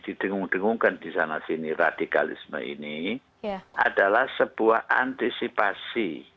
didengung dengungkan di sana sini radikalisme ini adalah sebuah antisipasi